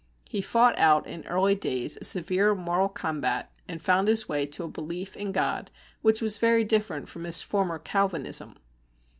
He fought out in early days a severe moral combat, and found his way to a belief in God which was very different from his former Calvinism.